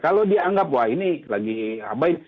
kalau dianggap wah ini lagi apa